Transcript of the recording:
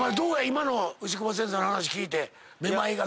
今の牛窪先生の話聞いて。